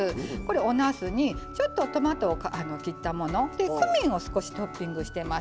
おなすにちょっとトマトを切ったものクミンをトッピングしています。